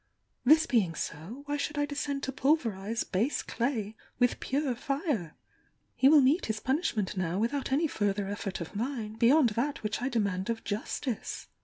This being so, why should I descend to pul verise base clay with pure fire? He will meet his punishment now without any further effort of mine, beyond that which I demand of justice!"